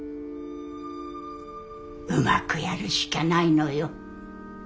うまくやるしかないのよ。